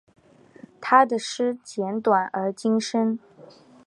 他的诗简短而精深。